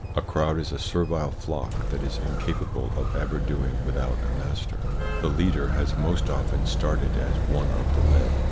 A crowd is a servile flock that is incapable of ever doing without a master. The leader has most often started as one of the led.